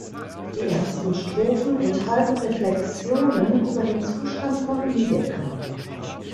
Die ersten Strophen enthalten Reflexionen über den Zustand von Niedecken.